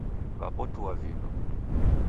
Wapotua vindo